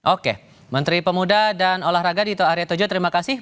oke menteri pemuda dan olahraga dito aryotojo terima kasih